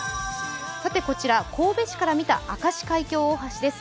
こちら、神戸市から見た明石海峡大橋です。